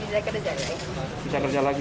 bisa kerja lagi ya